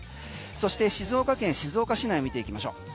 そして静岡県静岡市内見ていきましょう。